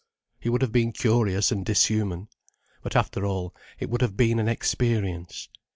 He would have been curious and dishuman. But after all, it would have been an experience.